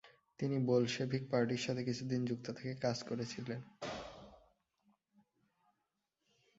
তিনি বলশেভিক পার্টির সাথে কিছুদিন যুক্ত থেকে কাজ করেছিলেন।